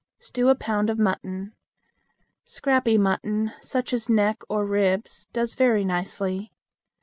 Stew a pound of mutton. Scrappy mutton, such as neck or ribs, does very nicely.